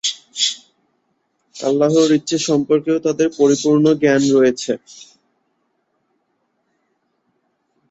আল্লাহর ইচ্ছা সম্পর্কেও তাঁদের পরিপূর্ণ জ্ঞান রয়েছে।